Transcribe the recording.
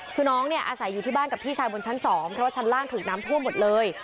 คือน้องเนี่ยอาศัยอยู่ที่บ้านกับพี่ชายบนชั้น๒เพราะว่าชั้นล่างถูกน้ำท่วมหมดเลย